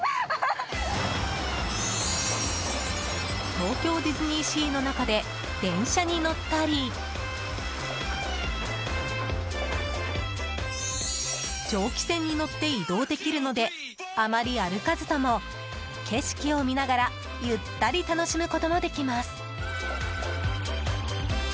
東京ディズニーシーの中で電車に乗ったり蒸気船に乗って移動できるのであまり歩かずとも景色を見ながらゆったり楽しむこともできます。